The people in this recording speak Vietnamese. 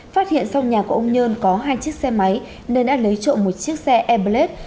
phát hiện trong nhà của ông nhơn có hai chiếc xe máy nên đã lấy trộm một chiếc xe airblade